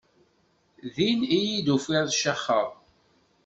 Din iyi-d tufiḍ caxeɣ.